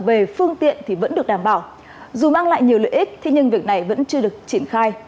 về phương tiện thì vẫn được đảm bảo dù mang lại nhiều lợi ích thế nhưng việc này vẫn chưa được triển khai